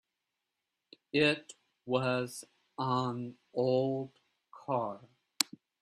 It was an old car.